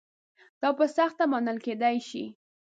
دا په سخته منل کېدای شي.